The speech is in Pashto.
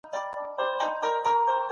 ځینې کریمونه د ګټورو باکتریاوو وده کوي.